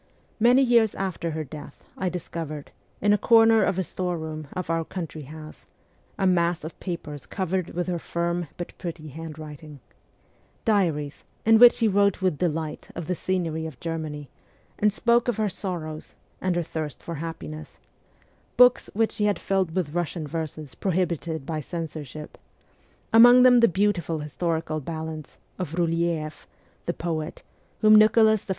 Many years after her death I discovered, in a corner of a storeroom of our country house, a mass of papers covered with her firm but pretty handwriting : diaries in which she wrote with delight of the scenery of Germany, and spoke of her sorrows and her thirst for happiness ; books which she had filled with Eussian verses prohibited by censorship among them the beautiful historical ballads of Eyleeff, the poet, whom Nicholas I.